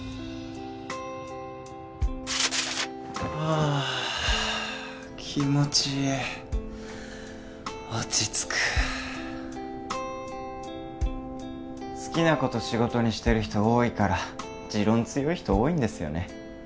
あ気持ちいい落ち着く好きなこと仕事にしてる人多いから持論強い人多いんですよね